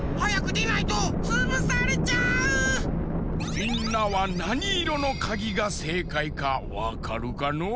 みんなはなにいろのかぎがせいかいかわかるかのう？